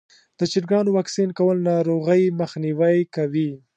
د چرګانو واکسین کول ناروغۍ مخنیوی کوي.